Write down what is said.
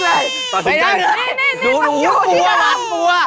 ไม่ได้เลยตัดสินใจเลยนะฮะดูหู้หัวหัวหัว